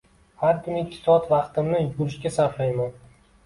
Har kuni ikki soat vaqtimni yugurishga sarflayman